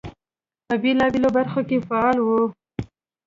په بېلابېلو برخو کې فعال وو.